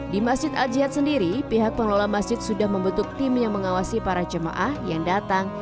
di masjid al jihad sendiri pihak pengelola masjid sudah membentuk tim yang mengawasi para jemaah yang datang